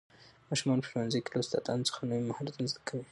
ماشومان په ښوونځي کې له استادانو څخه نوي مهارتونه زده کوي